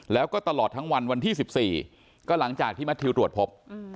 แล้วก็ตลอดทั้งวันวันที่๑๔ก็หลังจากที่แมททิวตรวจพบ